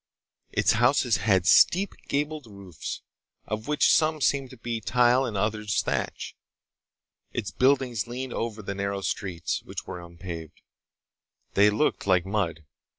Its houses had steep, gabled roofs, of which some seemed to be tile and others thatch. Its buildings leaned over the narrow streets, which were unpaved. They looked like mud.